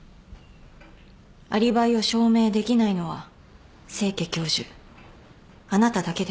アリバイを証明できないのは清家教授あなただけです。